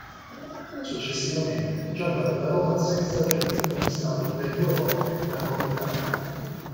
Successivamente gioca per la Roma sei stagioni conquistando per due volte la Coppa Italia.